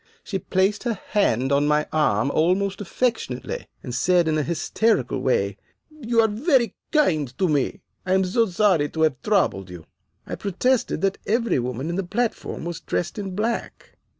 She placed her hand on my arm almost affectionately, and said in a hysterical way, 'You are very kind to me. I am so sorry to have troubled you.' "I protested that every woman on the platform was dressed in black.